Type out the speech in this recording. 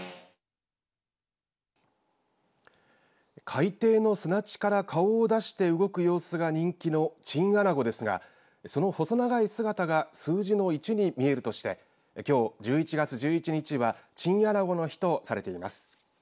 海底の砂地から顔を出して動く様子が人気のチンアナゴですがその細長い姿が数字の１に見えるとしてきょう１１月１１日はチンアナゴの日とされています。